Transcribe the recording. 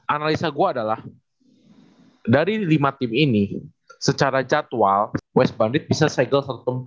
analisa gue adalah dari lima tim ini secara jadwal west bandit bisa segel satu ratus empat puluh